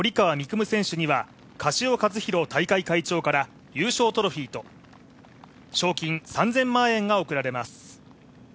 夢選手には樫尾和宏大会会長から優勝トロフィーと賞金３０００万円が贈られます。